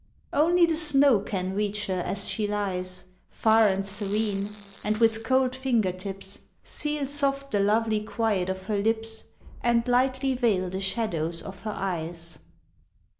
Only the snow can reach her as she lies, Far and serene, and with cold finger tips Seal soft the lovely quiet of her lips And lightly veil the shadows of her eyes.